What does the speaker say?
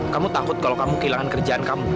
kamu takut kalau kamu kehilangan kerjaan kamu